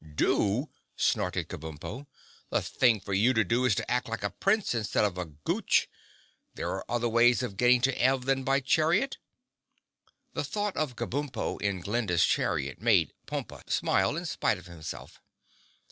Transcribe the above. "Do!" snorted Kabumpo. "The thing for you to do is to act like a Prince instead of a Gooch! There are other ways of getting to Ev than by chariot." The thought of Kabumpo in Glinda's chariot made Pompa smile in spite of himself.